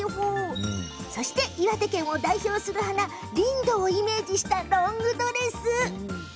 岩手県を代表する花、リンドウをイメージしたロングドレス。